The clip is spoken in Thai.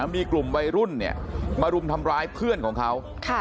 มีกลุ่มวัยรุ่นมารุมทำร้ายเพื่อนของเขา